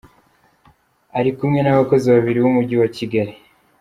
Ari kumwe n’abakozi babiri b’Umujyi wa Kigali.”